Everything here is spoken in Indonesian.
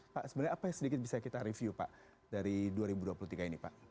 pak sebenarnya apa yang sedikit bisa kita review pak dari dua ribu dua puluh tiga ini pak